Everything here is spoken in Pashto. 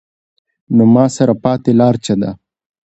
نو زما سره پاتې لار څۀ ده ؟